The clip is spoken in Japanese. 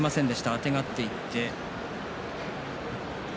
あてがっていって。